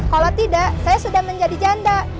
kalau tidak saya sudah menjadi janda